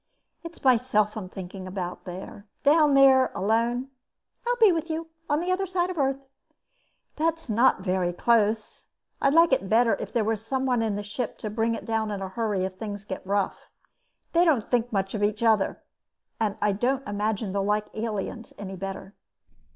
"It's myself I'm thinking about. Down there, alone." "I'll be with you. On the other side of the Earth." "That's not very close. I'd like it better if there were someone in the ship to bring it down in a hurry if things get rough. They don't think much of each other. I don't imagine they'll like aliens any better."